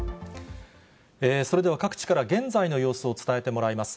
それでは各地から現在の様子を伝えてもらいます。